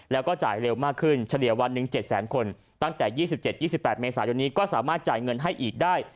แล้วก็จ่ายเร็วมากขึ้นเฉลี่ยวันนึงเจ็ดแสนคนตั้งแต่ยี่สิบเจ็ดยี่สิบแปดเมษายนนี้ก็สามารถจ่ายเงินให้อีกได้